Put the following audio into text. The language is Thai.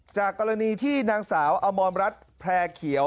จากกรณีที่นางสาวอมรรัฐแพร่เขียว